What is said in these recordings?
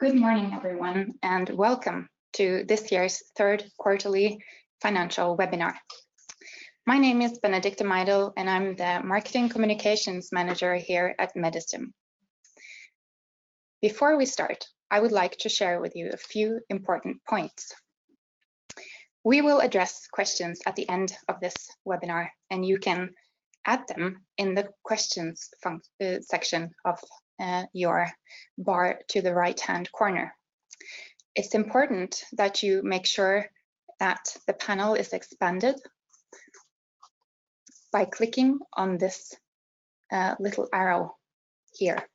Good morning, everyone, and welcome to this year's third quarterly financial webinar. My name is Benedikte Meidl, and I'm the Marketing Communications Manager here at Medistim. Before we start, I would like to share with you a few important points. We will address questions at the end of this webinar, and you can add them in the questions section of your bar to the right-hand corner. It's important that you make sure that the panel is expanded by clicking on this little arrow here.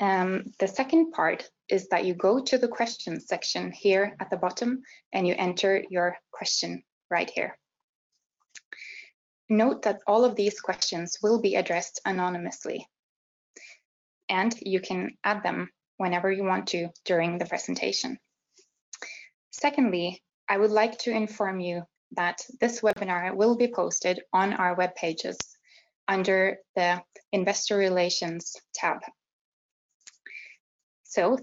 The second part is that you go to the questions section here at the bottom, and you enter your question right here. Note that all of these questions will be addressed anonymously, and you can add them whenever you want to during the presentation. Secondly, I would like to inform you that this webinar will be posted on our web pages under the Investor Relations tab.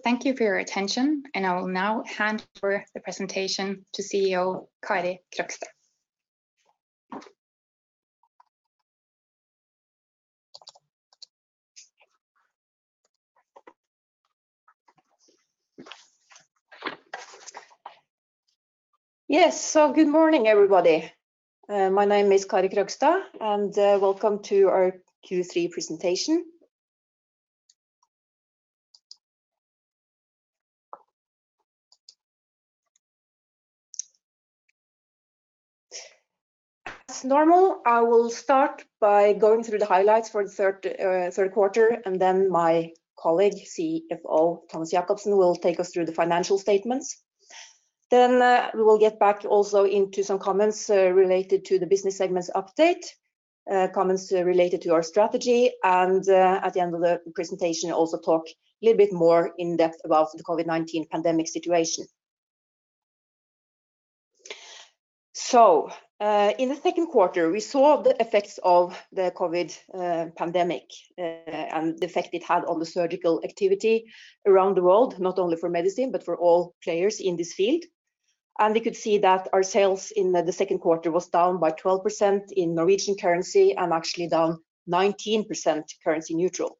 Thank you for your attention, and I will now hand over the presentation to CEO Kari Krogstad. Yes. Good morning, everybody. My name is Kari Krogstad, and welcome to our Q3 presentation. As normal, I will start by going through the highlights for the third quarter, and then my colleague, CFO Thomas Jakobsen, will take us through the financial statements. We will get back also into some comments related to the business segments update, comments related to our strategy, and at the end of the presentation, also talk a little bit more in depth about the COVID-19 pandemic situation. In the second quarter, we saw the effects of the COVID-19 pandemic and the effect it had on the surgical activity around the world, not only for Medistim but for all players in this field. We could see that our sales in the second quarter was down by 12% in Norwegian krone, and actually down 19% currency neutral.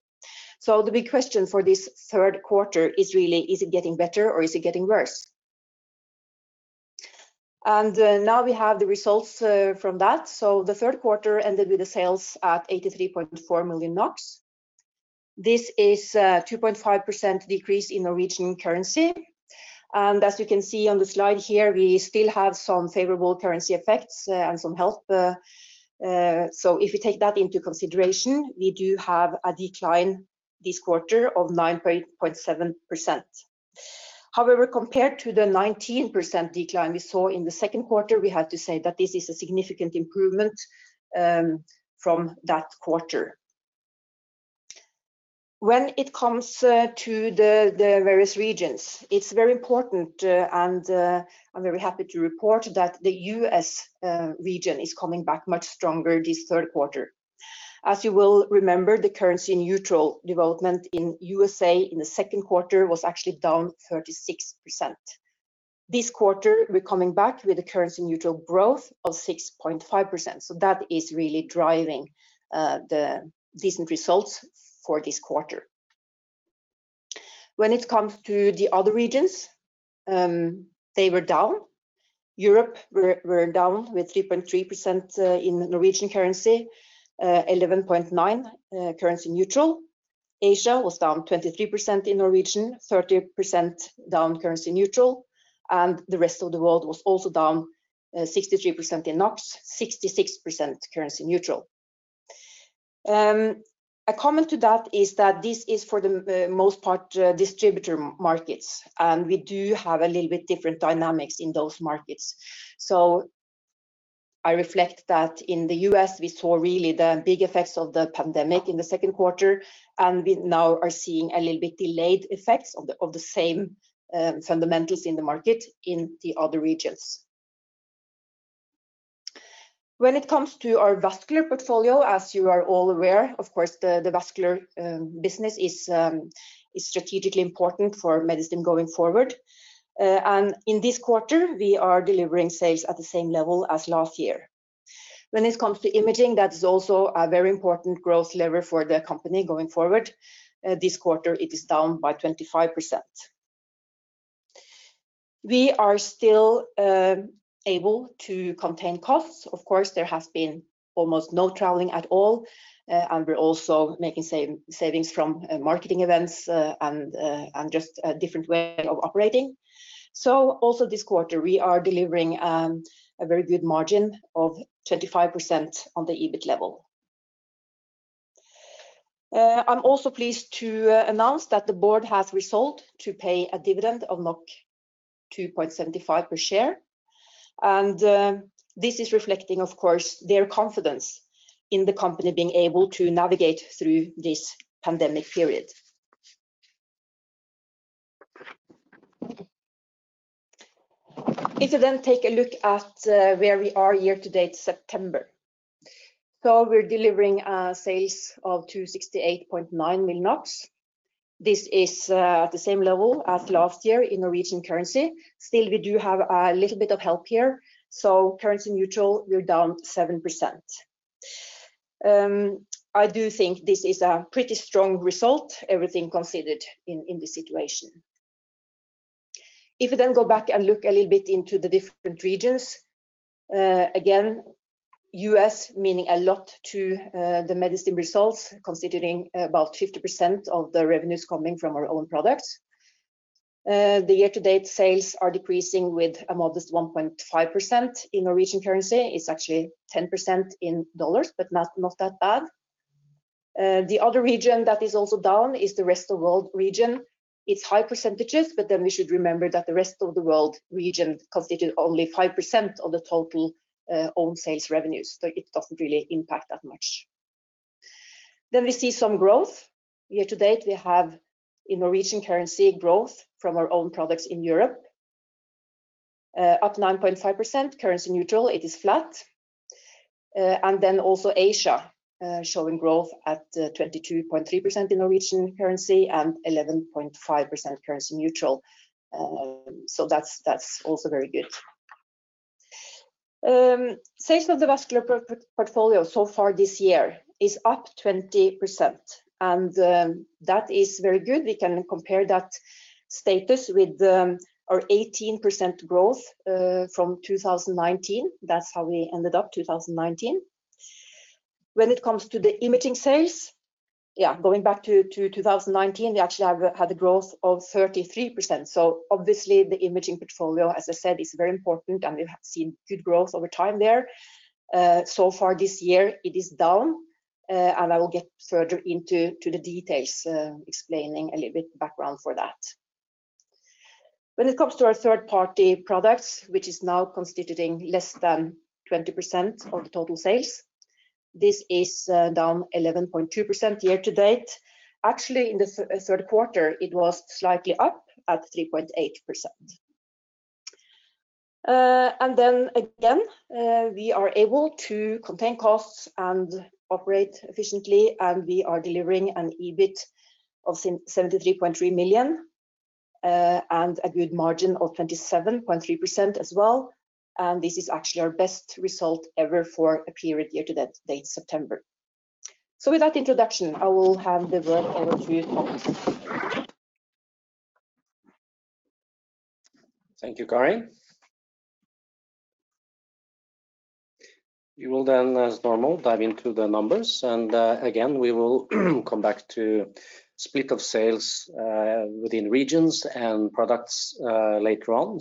The big question for this third quarter is really, is it getting better, or is it getting worse? Now we have the results from that. The third quarter ended with the sales at 83.4 million NOK. This is a 2.5% decrease in Norwegian currency. As you can see on the slide here, we still have some favorable currency effects and some help. If you take that into consideration, we do have a decline this quarter of 9.7%. However, compared to the 19% decline we saw in the second quarter, we have to say that this is a significant improvement from that quarter. When it comes to the various regions, it's very important, and I'm very happy to report that the U.S. region is coming back much stronger this third quarter. As you will remember, the currency neutral development in the U.S. in the second quarter was actually down 36%. This quarter, we're coming back with a currency neutral growth of 6.5%, that is really driving the decent results for this quarter. When it comes to the other regions, they were down. Europe were down with 3.3% in Norwegian krone, 11.9% currency neutral. Asia was down 23% in Norwegian krone, 30% down currency neutral, the rest of the world was also down 63% in Norwegian krone, 66% currency neutral. A comment to that is that this is for the most part distributor markets, we do have a little bit different dynamics in those markets. I reflect that in the U.S., we saw really the big effects of the pandemic in the second quarter, and we now are seeing a little bit delayed effects of the same fundamentals in the market in the other regions. When it comes to our vascular portfolio, as you are all aware, of course, the vascular business is strategically important for Medistim going forward. In this quarter, we are delivering sales at the same level as last year. When it comes to imaging, that is also a very important growth lever for the company going forward. This quarter, it is down by 25%. We are still able to contain costs. Of course, there has been almost no traveling at all, and we're also making savings from marketing events and just a different way of operating. Also this quarter, we are delivering a very good margin of 25% on the EBIT level. I'm also pleased to announce that the board has resolved to pay a dividend of 2.75 per share. This is reflecting, of course, their confidence in the company being able to navigate through this pandemic period. Take a look at where we are year to date September. We're delivering sales of 268.9 million. This is at the same level as last year in Norwegian currency. Still, we do have a little bit of help here. Currency neutral, we're down 7%. I do think this is a pretty strong result, everything considered in the situation. Go back and look a little bit into the different regions. U.S. meaning a lot to the Medistim results, considering about 50% of the revenues coming from our own products. The year-to-date sales are decreasing with a modest 1.5% in Norwegian krone. It's actually 10% in U.S. dollar, but not that bad. The other region that is also down is the Rest of World region. It's high percentages, but then we should remember that the Rest of the World region constitutes only 5% of the total own sales revenues. It doesn't really impact that much. We see some growth. Year to date, we have Norwegian krone growth from our own products in Europe up 9.5%. Currency neutral, it is flat. Asia showing growth at 22.3% in Norwegian krone and 11.5% currency neutral. That's also very good. Sales of the vascular portfolio so far this year is up 20%, and that is very good. We can compare that status with our 18% growth from 2019. That's how we ended up 2019. When it comes to the imaging sales, going back to 2019, we actually have had a growth of 33%. Obviously the imaging portfolio, as I said, is very important and we have seen good growth over time there. Far this year it is down and I will get further into the details, explaining a little bit background for that. When it comes to our third-party products, which is now constituting less than 20% of the total sales, this is down 11.2% year to date. Actually, in the third quarter, it was slightly up at 3.8%. Then again, we are able to contain costs and operate efficiently, and we are delivering an EBIT of 73.3 million and a good margin of 27.3% as well. This is actually our best result ever for a period year to date September. With that introduction, I will hand over to you, Thomas. Thank you, Kari. We will, as normal, dive into the numbers and again, we will come back to split of sales within regions and products later on.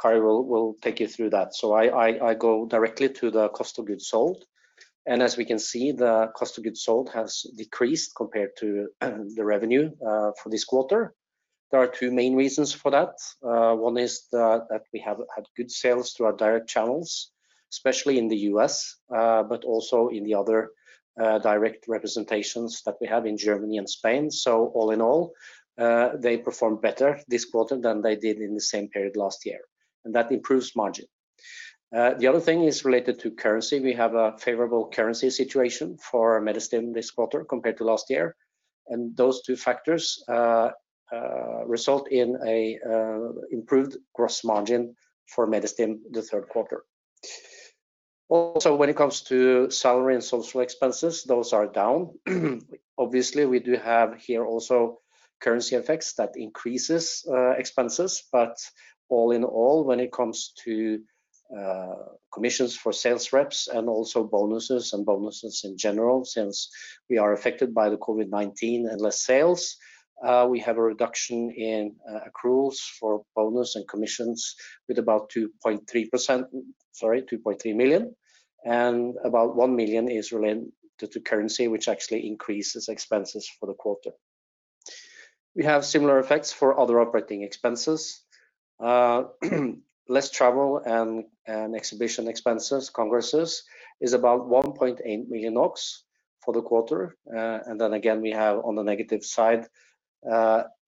Kari will take you through that. I go directly to the cost of goods sold. As we can see, the cost of goods sold has decreased compared to the revenue for this quarter. There are two main reasons for that. One is that we have had good sales through our direct channels, especially in the U.S. but also in the other direct representations that we have in Germany and Spain. All in all, they performed better this quarter than they did in the same period last year, and that improves margin. The other thing is related to currency. We have a favorable currency situation for Medistim this quarter compared to last year. Those two factors result in an improved gross margin for Medistim the third quarter. Also, when it comes to salary and social expenses, those are down. Obviously, we do have here also currency effects that increases expenses. All in all, when it comes to commissions for sales reps and also bonuses and bonuses in general since we are affected by the COVID-19 and less sales, we have a reduction in accruals for bonus and commissions with about 2.3 million. About 1 million is related to currency, which actually increases expenses for the quarter. We have similar effects for other operating expenses. Less travel and exhibition expenses, congresses, is about 1.8 million for the quarter. Then again, we have on the negative side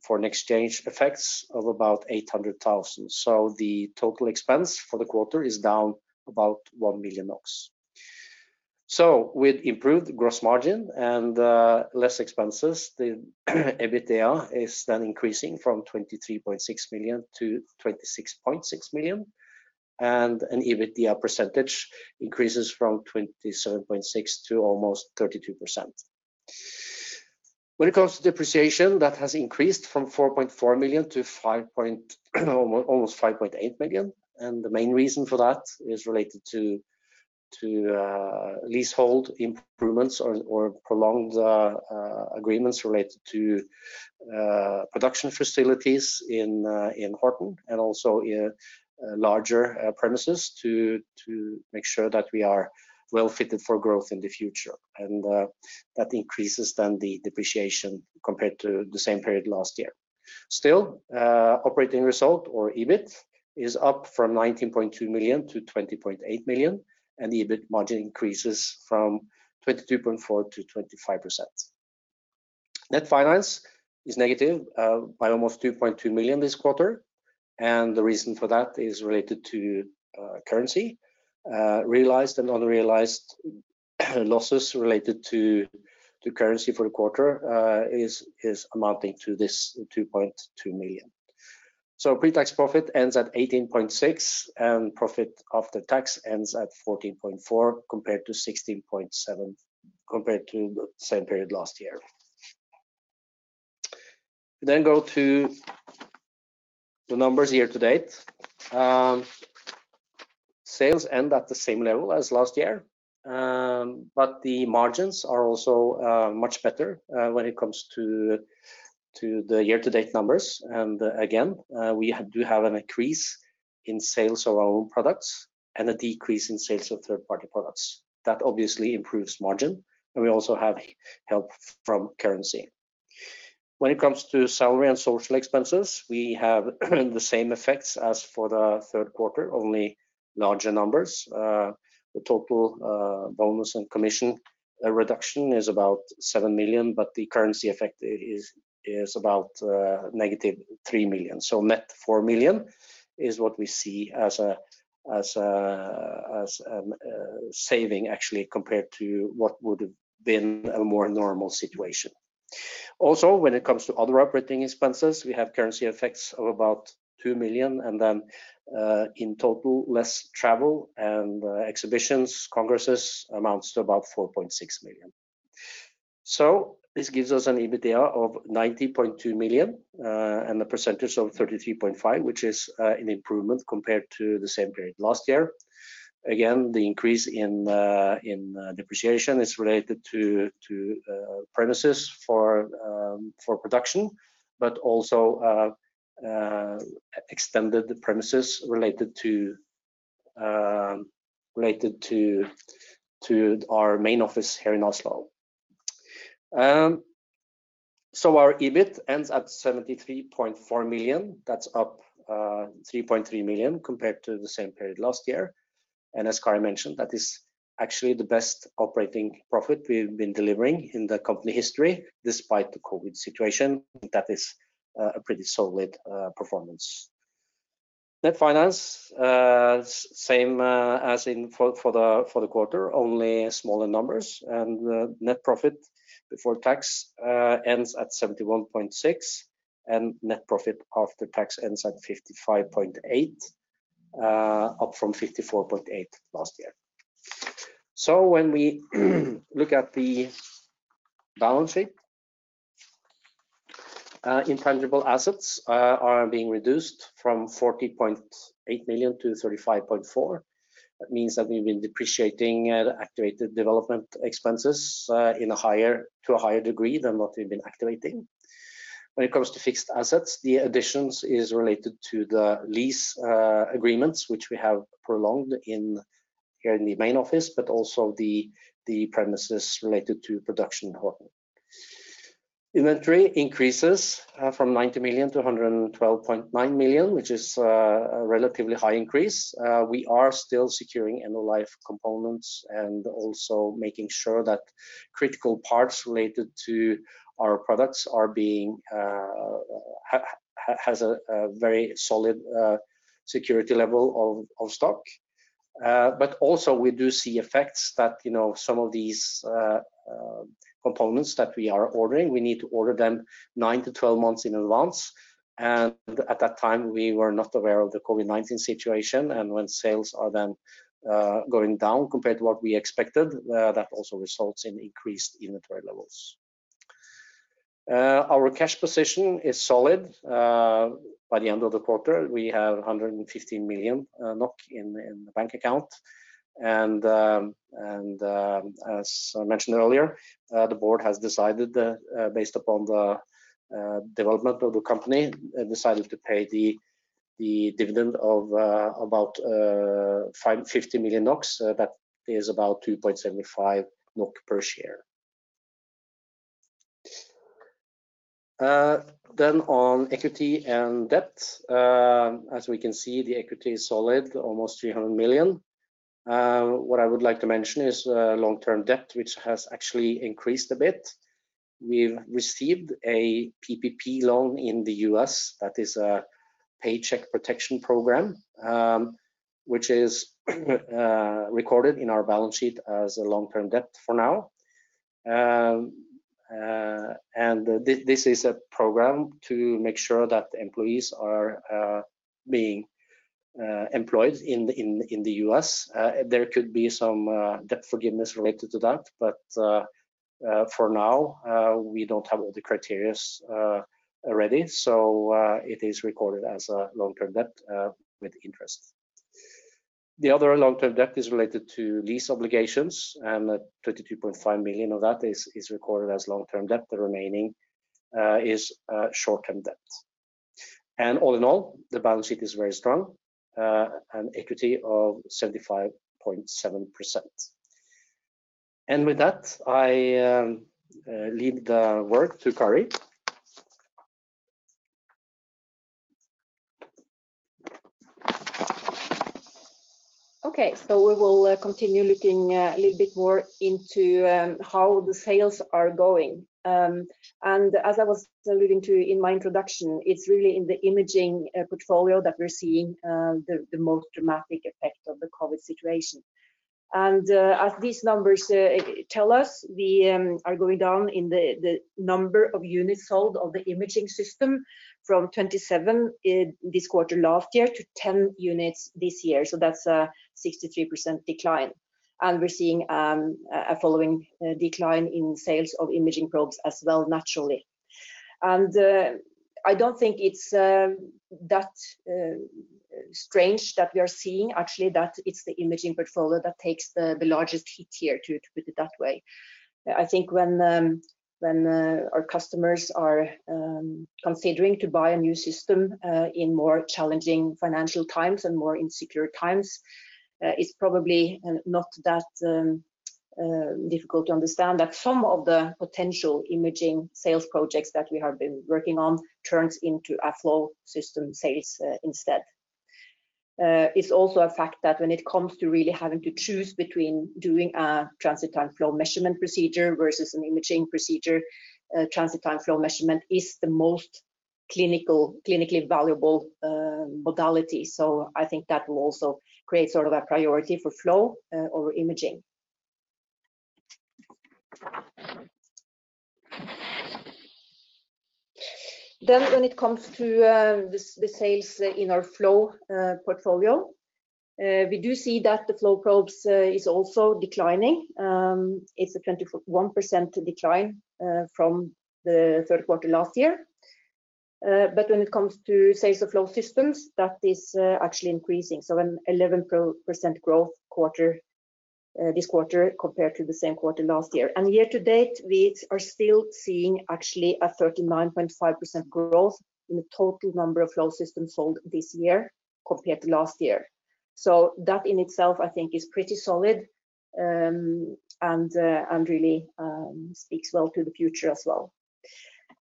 foreign exchange effects of about 800,000. The total expense for the quarter is down about 1 million NOK. With improved gross margin and less expenses, the EBITDA is increasing from 23.6 million to 26.6 million. An EBITDA % increases from 27.6% to almost 32%. When it comes to depreciation, that has increased from 4.4 million to almost 5.8 million. The main reason for that is related to leasehold improvements or prolonged agreements related to production facilities in Horten and also larger premises to make sure that we are well-fitted for growth in the future. That increases then the depreciation compared to the same period last year. Still, operating result or EBIT is up from 19.2 million to 20.8 million, and the EBIT margin increases from 22.4% to 25%. Net finance is negative by almost 2.2 million this quarter, and the reason for that is related to currency realized and unrealized losses related to currency for the quarter is amounting to this 2.2 million. Pre-tax profit ends at 18.6 and profit after tax ends at 14.4 compared to 16.7, compared to the same period last year. Go to the numbers year-to-date. Sales end at the same level as last year, but the margins are also much better when it comes to the year-to-date numbers. Again, we do have an increase in sales of our own products and a decrease in sales of third-party products. That obviously improves margin, and we also have help from currency. When it comes to salary and social expenses, we have the same effects as for the third quarter, only larger numbers. The total bonus and commission reduction is about 7 million, but the currency effect is about -3 million. Net 4 million is what we see as a saving actually, compared to what would have been a more normal situation. When it comes to other operating expenses, we have currency effects of about 2 million, in total, less travel and exhibitions, congresses amounts to about 4.6 million. This gives us an EBITDA of 90.2 million and the percentage of 33.5%, which is an improvement compared to the same period last year. The increase in depreciation is related to premises for production, but also extended premises related to our main office here in Oslo. Our EBIT ends at 73.4 million. That's up 3.3 million compared to the same period last year. As Kari mentioned, that is actually the best operating profit we've been delivering in the company history despite the COVID-19 situation. That is a pretty solid performance. Net finance, same as for the quarter, only smaller numbers and net profit before tax ends at 71.6 and net profit after tax ends at 55.8, up from 54.8 last year. When we look at the balance sheet, intangible assets are being reduced from 40.8 million to 35.4. That means that we've been depreciating activated development expenses to a higher degree than what we've been activating. When it comes to fixed assets, the additions is related to the lease agreements, which we have prolonged here in the main office, but also the premises related to production in Horten. Inventory increases from 90 million to 112.9 million, which is a relatively high increase. We are still securing end-of-life components and also making sure that critical parts related to our products has a very solid security level of stock. Also we do see effects that some of these components that we are ordering, we need to order them 9-12 months in advance. At that time, we were not aware of the COVID-19 situation and when sales are then going down compared to what we expected, that also results in increased inventory levels. Our cash position is solid. By the end of the quarter, we have 115 million NOK in the bank account. As I mentioned earlier, the board has decided, based upon the development of the company, decided to pay the dividend of about 50 million NOK. That is about 2.75 NOK per share. On equity and debt, as we can see, the equity is solid, almost 300 million. What I would like to mention is long-term debt, which has actually increased a bit. We've received a PPP loan in the U.S. that is a Paycheck Protection Program, which is recorded in our balance sheet as a long-term debt for now. This is a program to make sure that employees are being employed in the U.S. There could be some debt forgiveness related to that, but for now, we don't have all the criteria ready, so it is recorded as a long-term debt with interest. The other long-term debt is related to lease obligations, 32.5 million of that is recorded as long-term debt. The remaining is short-term debt. All in all, the balance sheet is very strong, an equity of 75.7%. With that, I leave the work to Kari. Okay. We will continue looking a little bit more into how the sales are going. As I was alluding to in my introduction, it's really in the imaging portfolio that we're seeing the most dramatic effect of the COVID situation. As these numbers tell us, we are going down in the number of units sold of the imaging system from 27 this quarter last year to 10 units this year. That's a 63% decline. We're seeing a following decline in sales of imaging probes as well, naturally. I don't think it's that strange that we are seeing, actually, that it's the imaging portfolio that takes the largest hit here, to put it that way. I think when our customers are considering to buy a new system in more challenging financial times and more insecure times, it's probably not that difficult to understand that some of the potential imaging sales projects that we have been working on turns into a flow system sales instead. It's also a fact that when it comes to really having to choose between doing a transit time flow measurement procedure versus an imaging procedure, transit time flow measurement is the most clinically valuable modality. I think that will also create sort of a priority for flow over imaging. When it comes to the sales in our flow portfolio, we do see that the flow probes is also declining. It's a 21% decline from the third quarter last year. When it comes to sales of flow systems, that is actually increasing. An 11% growth this quarter compared to the same quarter last year. Year to date, we are still seeing actually a 39.5% growth in the total number of flow systems sold this year compared to last year. That in itself, I think is pretty solid and really speaks well to the future as well.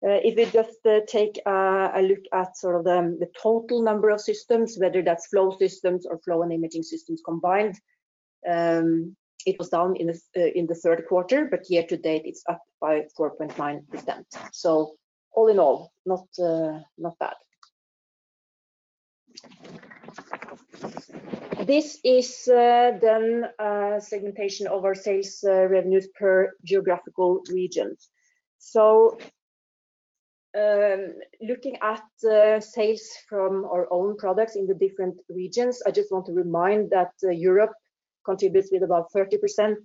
If we just take a look at sort of the total number of systems, whether that's flow systems or flow and imaging systems combined, it was down in the third quarter, but year to date, it's up by 4.9%. All in all, not bad. This is then a segmentation of our sales revenues per geographical region. Looking at sales from our own products in the different regions, I just want to remind that Europe contributes with about 30%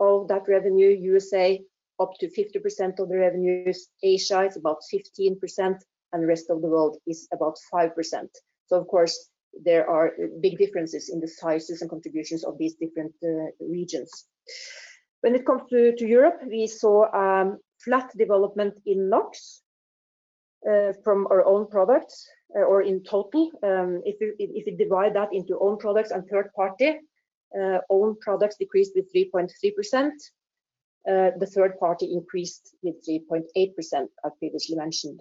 of that revenue, U.S.A. up to 50% of the revenues, Asia is about 15%, and the rest of the world is about 5%. Of course, there are big differences in the sizes and contributions of these different regions. When it comes to Europe, we saw flat development in Norwegian krone from our own products or in total. If you divide that into own products and third party, own products decreased with 3.3%. The third party increased with 3.8%, as previously mentioned.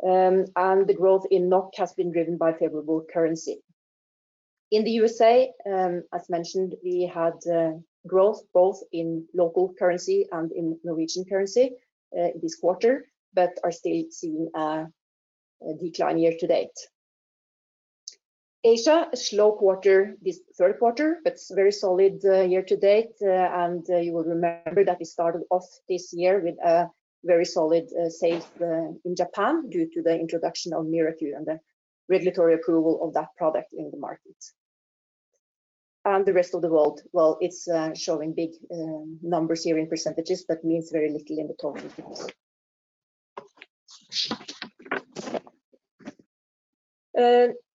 The growth in Norwegian krone has been driven by favorable currency. In the U.S.A., as mentioned, we had growth both in local currency and in Norwegian currency this quarter, but are still seeing a decline year-to-date. Asia, a slow quarter, this third quarter, but very solid year to date. You will remember that we started off this year with very solid sales in Japan due to the introduction of MiraQ and the regulatory approval of that product in the market. The rest of the world, well, it's showing big numbers here in percentage but means very little in the total figures.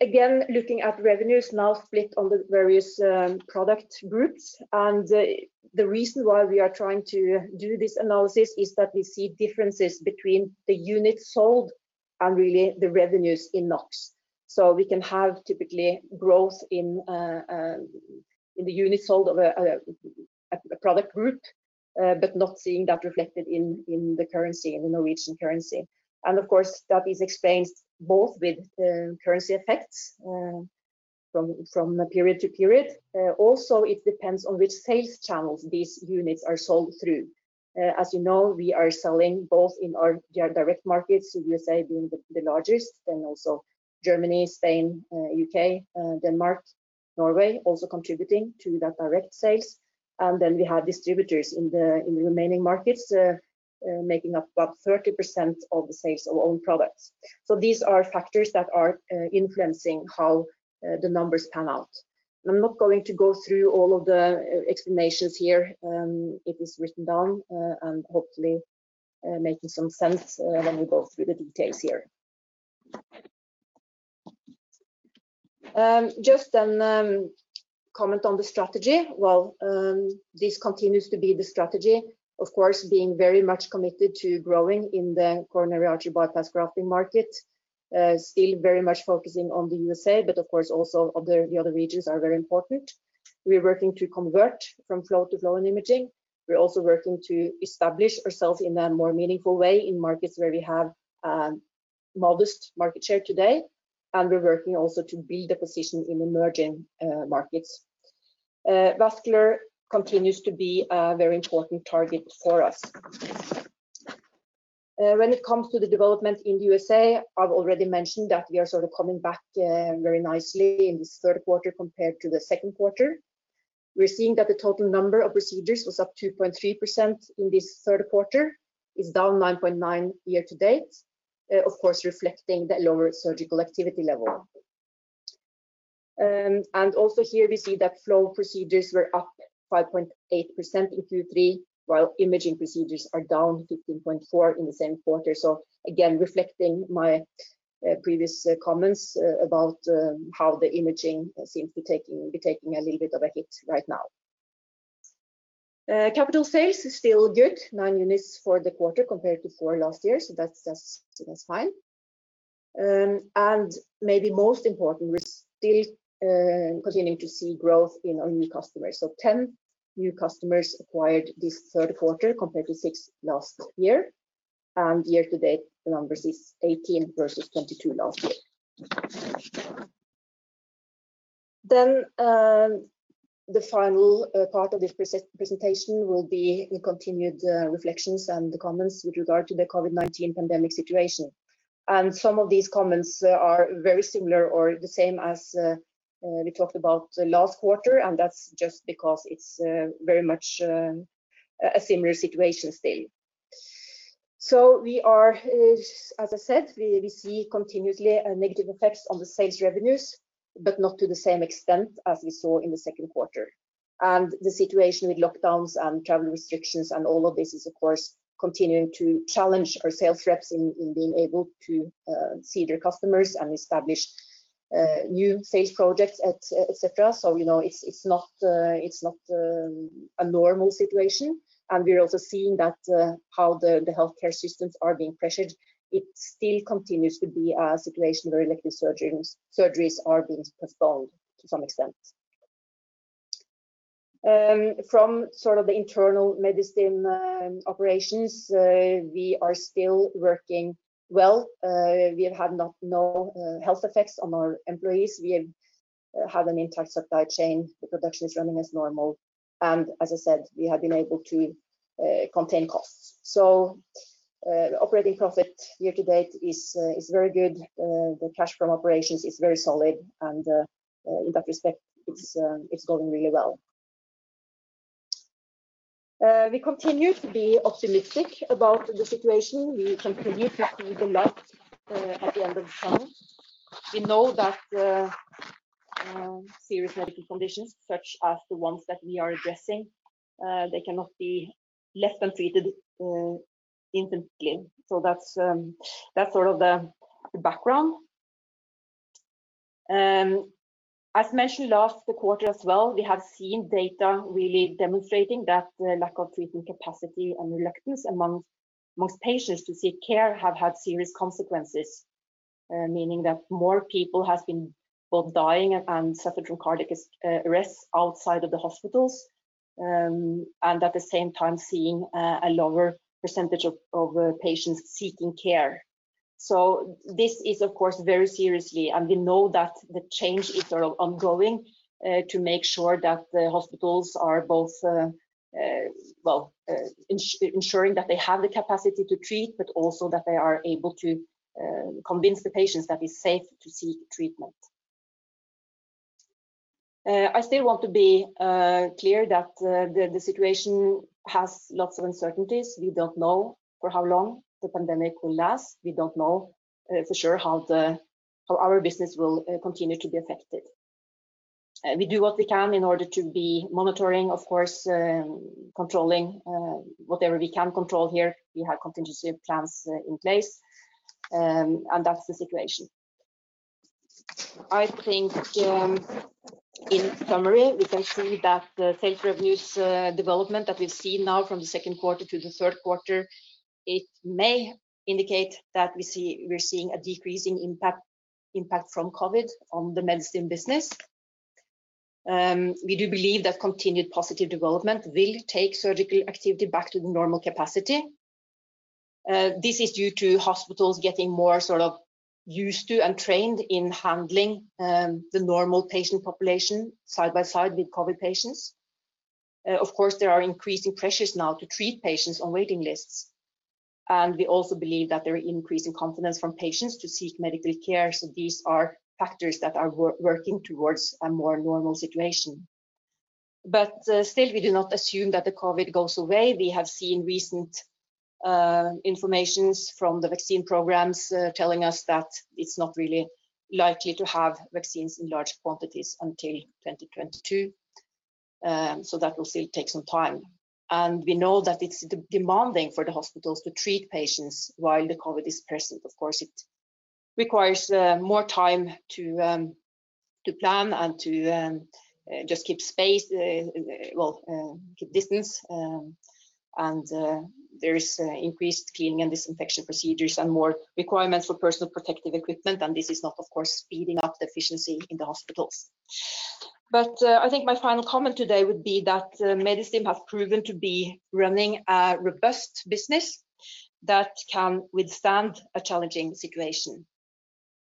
Again, looking at revenues now split on the various product groups. The reason why we are trying to do this analysis is that we see differences between the units sold and really the revenues in Norwegian krone. We can have typically growth in the units sold of a product group, but not seeing that reflected in the currency, in the Norwegian currency. Of course, that is explained both with currency effects from period to period. Also, it depends on which sales channels these units are sold through. As you know, we are selling both in our direct markets, U.S.A. being the largest, and also Germany, Spain, U.K., Denmark, Norway also contributing to that direct sales. We have distributors in the remaining markets, making up about 30% of the sales of own products. These are factors that are influencing how the numbers pan out. I'm not going to go through all of the explanations here. It is written down and hopefully making some sense when we go through the details here. Just a comment on the strategy. Well, this continues to be the strategy, of course, being very much committed to growing in the coronary artery bypass grafting market, still very much focusing on the U.S.A., but of course, also the other regions are very important. We are working to convert from flow to flow and imaging. We're also working to establish ourselves in a more meaningful way in markets where we have modest market share today, and we're working also to build a position in emerging markets. Vascular continues to be a very important target for us. When it comes to the development in the U.S.A., I've already mentioned that we are coming back very nicely in this third quarter compared to the second quarter. We're seeing that the total number of procedures was up 2.3% in this third quarter. It's down 9.9% year-to-date, of course, reflecting the lower surgical activity level. Also here we see that flow procedures were up 5.8% in Q3, while imaging procedures are down 15.4% in the same quarter. Again, reflecting my previous comments about how the imaging seems to be taking a little bit of a hit right now. Capital sales is still good, nine units for the quarter compared to four last year, that's fine. Maybe most important, we're still continuing to see growth in our new customers. 10 new customers acquired this third quarter compared to six last year. Year to date, the number is 18 versus 22 last year. The final part of this presentation will be the continued reflections and the comments with regard to the COVID-19 pandemic situation. Some of these comments are very similar or the same as we talked about last quarter, and that's just because it's very much a similar situation still. We are, as I said, we see continuously negative effects on the sales revenues, but not to the same extent as we saw in the second quarter. The situation with lockdowns and travel restrictions and all of this is, of course, continuing to challenge our sales reps in being able to see their customers and establish new sales projects, et cetera. It's not a normal situation. We're also seeing that how the healthcare systems are being pressured. It still continues to be a situation where elective surgeries are being postponed to some extent. From the internal Medistim operations, we are still working well. We have had no health effects on our employees. We have an intact supply chain. The production is running as normal. As I said, we have been able to contain costs. Operating profit year to date is very good. The cash from operations is very solid, and in that respect, it's going really well. We continue to be optimistic about the situation. We continue to see the light at the end of the tunnel. We know that serious medical conditions, such as the ones that we are addressing, they cannot be left untreated indefinitely. That's the background. As mentioned last quarter as well, we have seen data really demonstrating that the lack of treatment capacity and reluctance amongst most patients to seek care have had serious consequences, meaning that more people have been both dying and suffered from cardiac arrests outside of the hospitals, and at the same time seeing a lower percentage of patients seeking care. This is, of course, very serious, and we know that the change is ongoing to make sure that the hospitals are both ensuring that they have the capacity to treat, but also that they are able to convince the patients that it's safe to seek treatment. I still want to be clear that the situation has lots of uncertainties. We don't know for how long the pandemic will last. We don't know for sure how our business will continue to be affected. We do what we can in order to be monitoring, of course, controlling whatever we can control here. We have contingency plans in place. That's the situation. I think in summary, we can see that the sales revenues development that we've seen now from the second quarter to the third quarter, it may indicate that we're seeing a decrease in impact from COVID on the Medistim business. We do believe that continued positive development will take surgical activity back to the normal capacity. This is due to hospitals getting more used to and trained in handling the normal patient population side by side with COVID patients. Of course, there are increasing pressures now to treat patients on waiting lists. We also believe that there are increasing confidence from patients to seek medical care. These are factors that are working towards a more normal situation. Still, we do not assume that the COVID goes away. We have seen recent information from the vaccine programs telling us that it's not really likely to have vaccines in large quantities until 2022. That will still take some time. We know that it's demanding for the hospitals to treat patients while the COVID is present. Of course, it requires more time to plan and to just keep space, well, keep distance. There is increased cleaning and disinfection procedures and more requirements for personal protective equipment. This is not, of course, speeding up the efficiency in the hospitals. I think my final comment today would be that Medistim have proven to be running a robust business that can withstand a challenging situation.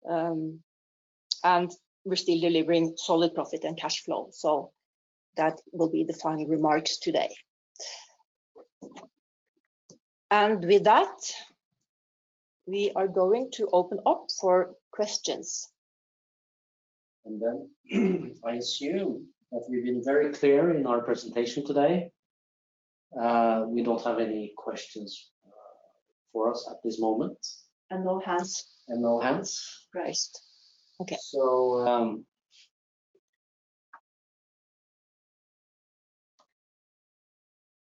We're still delivering solid profit and cash flow. That will be the final remarks today. With that, we are going to open up for questions. I assume that we've been very clear in our presentation today. We don't have any questions for us at this moment. No hands. No hands. Raised.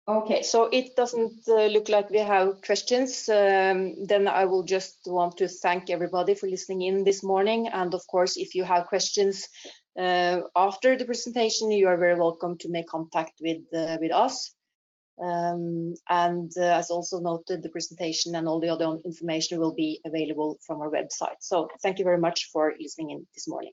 Okay. So. Okay, it doesn't look like we have questions. I will just want to thank everybody for listening in this morning. Of course, if you have questions after the presentation, you are very welcome to make contact with us. As also noted, the presentation and all the other information will be available from our website. Thank you very much for listening in this morning.